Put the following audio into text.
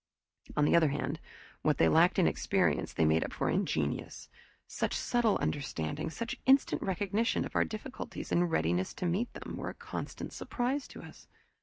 On the other hand, what they lacked in experience, they made up for in genius. Such subtle understanding, such instant recognition of our difficulties, and readiness to meet them, were a constant surprise to us.